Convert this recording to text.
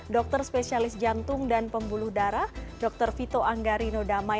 dokter spesialis jantung dan pembuluh darah dr vito anggarino damai